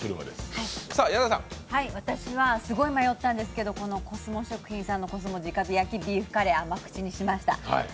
私はすごい迷ったんですけど、コスモ食品さんのコスモ直火焼きビーフカレー甘口にしました。